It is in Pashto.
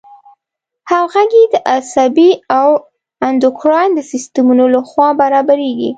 همغږي د عصبي او اندوکراین د سیستمونو له خوا برابریږي.